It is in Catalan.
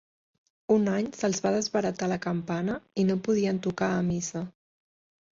Un any se’ls va desbaratar la campana i no podien tocar a missa.